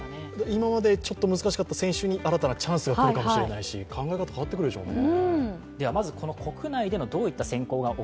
今まで、ちょっと難しかった選手に新たなチャンスが来るかもしれないし考え方変わってくるでしょうね。